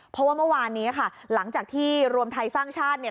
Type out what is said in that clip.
เพราะว่าเมื่อวานนี้ค่ะหลังจากที่รวมไทยสร้างชาติเนี่ย